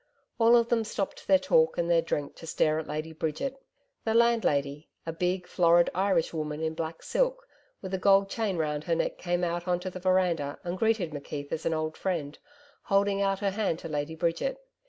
All of them stopped their talk and their drink to stare at Lady Bridget. The landlady a big, florid Irish woman in black silk, with a gold chain round her neck came out onto the veranda and greeted McKeith as an old friend, holding out her hand to Lady Bridget.